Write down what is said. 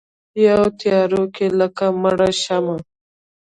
یوه تیارو کې لکه مړه شمعه